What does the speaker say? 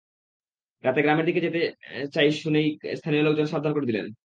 রাতে গ্রামের দিকে যেতে চাই শুনেই স্থানীয় কয়েকজন সাবধান করে দিলেন।